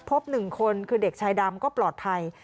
๑คนคือเด็กชายดำก็ปลอดภัย